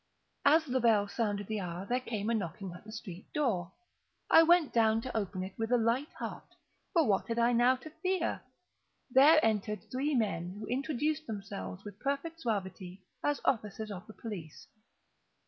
As the bell sounded the hour, there came a knocking at the street door. I went down to open it with a light heart,—for what had I now to fear? There entered three men, who introduced themselves, with perfect suavity, as officers of the police.